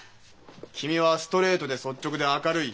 君はストレートで率直で明るい。